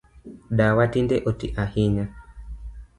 Dawa tinde otii ahinya